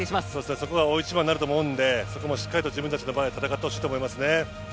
そこが大一番になると思うのでそこもしっかり自分たちのバレーで戦ってほしいですね。